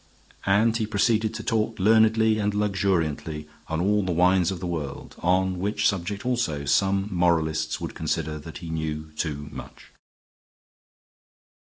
And he proceeded to talk learnedly and luxuriantly on all the wines of the world; on which subject, also, some moralists would consider that he knew too much.